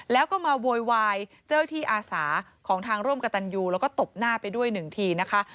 แล้วก็มาโวยวายเจ้าที่อาสาของทางร่วมกับตันยูแล้วก็ตบหน้าไปด้วยหนึ่งทีนะคะ